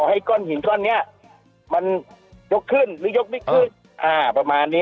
ให้ก้อนหินก้อนนี้มันยกขึ้นหรือยกไม่ขึ้นประมาณนี้